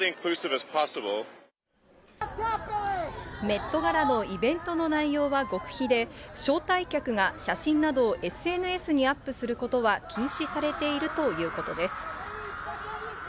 メットガラのイベントの内容は極秘で、招待客が写真などをＳＮＳにアップすることは禁止されているということです。